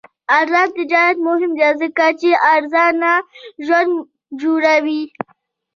آزاد تجارت مهم دی ځکه چې ارزان ژوند جوړوي.